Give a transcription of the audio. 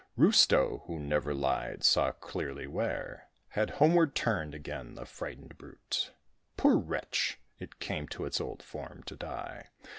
Rustaut, who never lied, saw clearly where Had homeward turned again the frightened brute. Poor wretch! it came to its old form to die.